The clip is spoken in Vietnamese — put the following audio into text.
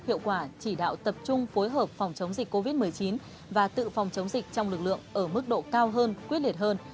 hiệu quả chỉ đạo tập trung phối hợp phòng chống dịch covid một mươi chín và tự phòng chống dịch trong lực lượng ở mức độ cao hơn quyết liệt hơn